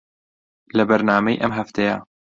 لە بەرنامەی ئەم هەفتەیە